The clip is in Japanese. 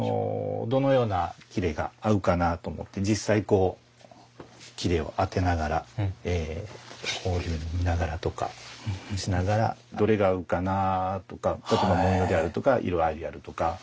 どのような裂が合うかなと思って実際こう裂を当てながらこういうふうに見ながらとかしながらどれが合うかなとか例えば文様であるとか色合いであるとか。